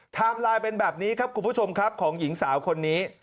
ไลน์เป็นแบบนี้ครับคุณผู้ชมครับของหญิงสาวคนนี้